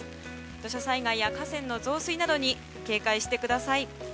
土砂災害や河川の増水などに警戒してください。